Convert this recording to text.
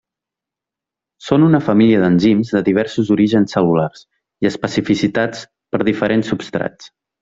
Són una família d'enzims de diversos orígens cel·lulars i especificitats per diferents substrats.